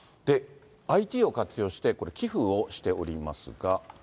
ＩＴを活用して、これ、寄付をしておりますが。